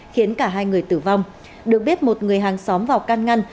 khiến cả hai người tử vong được biết một người hàng xóm vào can ngăn